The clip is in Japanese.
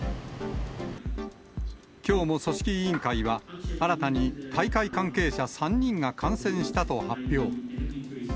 きょうも組織委員会は、新たに大会関係者３人が感染したと発表。